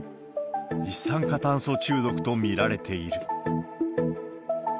一酸化炭素中毒と見られている。